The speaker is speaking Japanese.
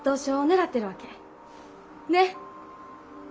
ねっ。